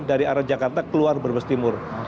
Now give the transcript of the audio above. dari arah jakarta keluar brebes timur